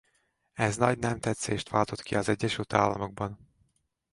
Ez nagy nemtetszést váltott ki az Egyesült Államokban.